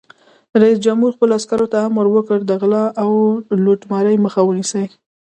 رئیس جمهور خپلو عسکرو ته امر وکړ؛ د غلا او لوټمارۍ مخه ونیسئ!